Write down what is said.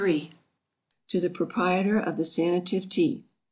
_To the Proprietor of the Sanative Tea.